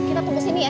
kita tunggu sini ya